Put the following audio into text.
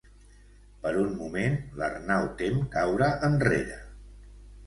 Per un moment l'Arnau tem caure enrere.